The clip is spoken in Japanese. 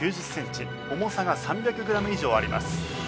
重さが３００グラム以上あります。